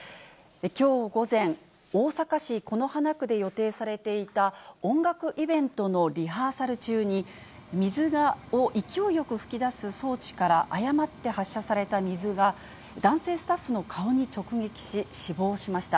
きょう午前、大阪市此花区で予定されていた音楽イベントのリハーサル中に、水が勢いよく噴き出す装置から誤って発射された水が、男性スタッフの顔に直撃し、死亡しました。